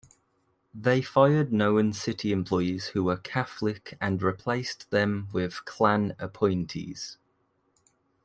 They fired known city employees who were Catholic and replaced them with Klan appointees.